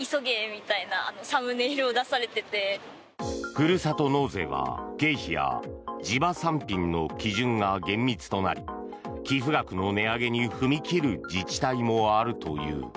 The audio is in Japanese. ふるさと納税は、経費や地場産品の基準が厳密となり寄付額の値上げに踏み切る自治体もあるという。